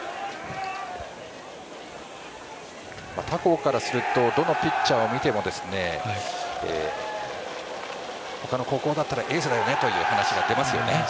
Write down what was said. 他校からするとどのピッチャーを見ても他の高校だったらエースだよねという話が出ますよね。